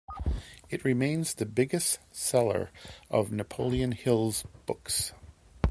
It remains the biggest seller of Napoleon Hill's books.